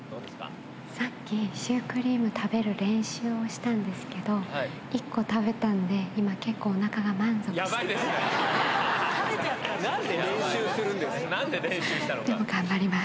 さっきシュークリーム食べる練習をしたんですけれども、１個食べたんで、今、結構おなかが満足してます。